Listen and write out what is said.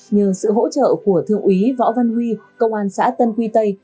nhờ sự hỗ trợ của thượng úy võ văn huy công an xã tân quy tây